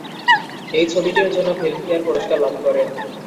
এই ছবিটির জন্য ফিল্ম ফেয়ার পুরস্কার লাভ করেন।